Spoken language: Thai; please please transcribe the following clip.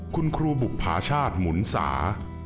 คุณครูบุภาชาติหมุนสา